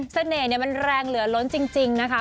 เสน่ห์มันแรงเหลือล้นจริงนะคะ